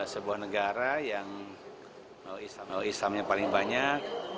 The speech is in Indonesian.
sebuah negara yang islamnya paling banyak